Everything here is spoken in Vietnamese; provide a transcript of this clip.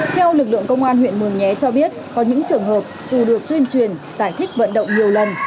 theo lực lượng công an huyện mường nhé cho biết có những trường hợp dù được tuyên truyền giải thích vận động nhiều lần